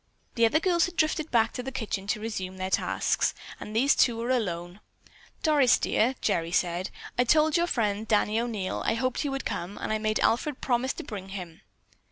The other girls had drifted back to the kitchen to resume their tasks, and these two were alone. "Doris, dear," Gerry said, "I told your friend, Danny O'Neil, I hoped he would come, and I made Alfred promise to bring him."